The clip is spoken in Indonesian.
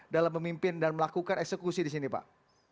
dalam memimpin dan melakukan eksekusi di sini pak